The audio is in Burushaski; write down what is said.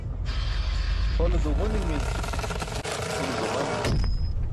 Hole duġunimi, ulo duġanimi.